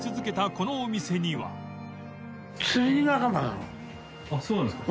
このお店には淵好織奪奸そうなんですか。